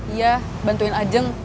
iya bantuin ajeng